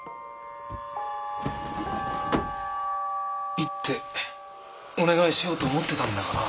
一手お願いしようと思ってたんだがな。